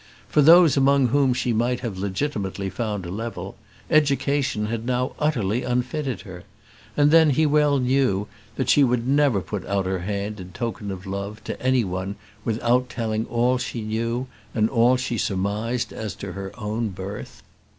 For those among whom she might have legitimately found a level, education had now utterly unfitted her. And then, he well knew that she would never put out her hand in token of love to any one without telling all she knew and all she surmised as to her own birth.